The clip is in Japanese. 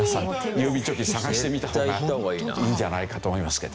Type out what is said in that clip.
郵便貯金探してみた方がいいんじゃないかと思いますけど。